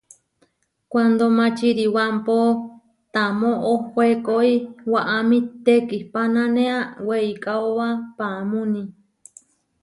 Kuando Mačiribámpo tamó ohóekoi, waʼámi tekihpánanea weikáoba paamúni.